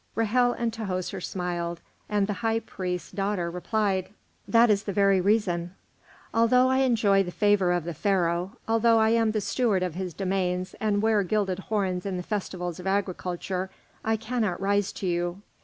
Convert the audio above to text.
Ra'hel and Tahoser smiled, and the high priest's daughter replied, "That is the very reason." "Although I enjoy the favour of the Pharaoh, although I am the steward of his domains and wear gilded horns in the festivals of agriculture, I cannot rise to you.